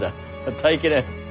耐え切れぬ。